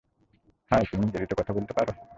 High তুমি ইংরেজিতে কথা বলতে পারো?